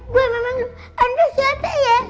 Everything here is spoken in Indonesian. gue memang anda siapa ya